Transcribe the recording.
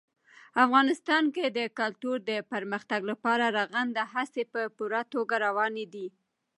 افغانستان کې د کلتور د پرمختګ لپاره رغنده هڅې په پوره توګه روانې دي.